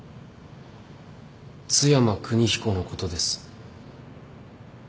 津山邦彦のことです。